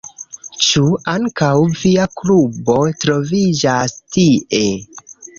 Ĉu ankaŭ via klubo troviĝas tie?